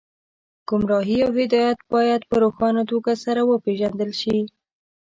ګمراهي او هدایت باید په روښانه توګه سره وپېژندل شي